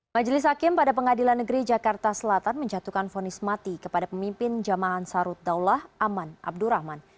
majelis hakim pada pengadilan negeri jakarta selatan menjatuhkan fonis mati kepada pemimpin jamaahan sarut daulah aman abdurrahman